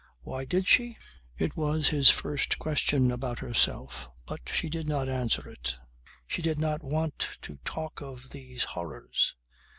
Why did she? It was his first question about herself but she did not answer it. She did not want to talk of these horrors.